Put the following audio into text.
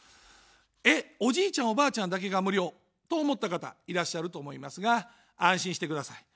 え、おじいちゃん、おばあちゃんだけが無料と思った方いらっしゃると思いますが安心してください。